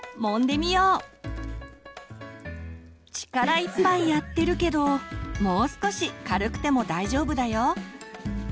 力いっぱいやってるけどもう少し軽くても大丈夫だよ。